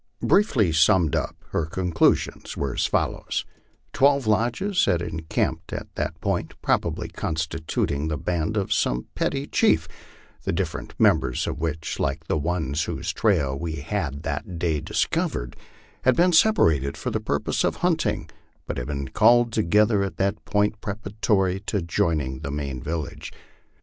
Briefly summed up her conclusions were as follows: twelve lodges had encamped at that point, probably constituting the band of some petty chief, the different members of which, like the one whose trail we had that day dis covered, had been separated for purposes of hunting, but had been called to gether at that point preparatory to joining the main village.